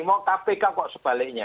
mau kpk kok sebaliknya